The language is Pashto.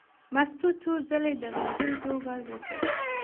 مستو څو ځلې د غلي کېدو غږ وکړ.